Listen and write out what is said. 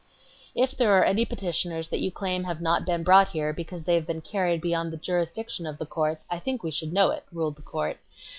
"If there are any petitioners that you claim have not been brought here because they have been carried beyond the jurisdiction of the courts, I think we should know it," ruled the court.